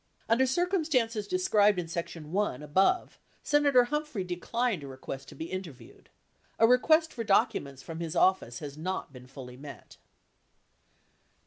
Under circumstances described in Section I above, Senator Humphrey declined a request to be interviewed. 58 A request for documents from his office has not been fully met.